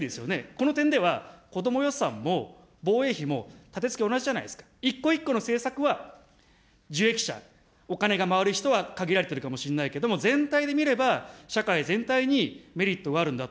この点では、子ども予算も防衛費も立て付け同じじゃないですか、一個一個の政策は受益者、お金が回る人は限られてるかもしれないけれども、全体で見れば、社会全体にメリットはあるんだ。